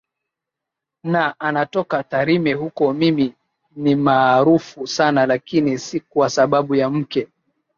na anatoka Tarime Huko mimi ni maarufu sana lakini si kwa sababu ya mke